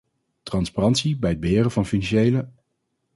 Transparantie bij het beheren van financiële ...